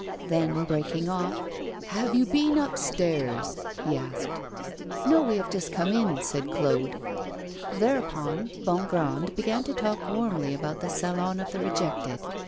Then, breaking off: 'Have you been upstairs?' he asked. 'No, we have just come in,' said Claude. Thereupon Bongrand began to talk warmly about the Salon of the Rejected.